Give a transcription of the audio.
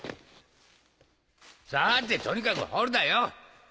さてとにかく掘るだよ。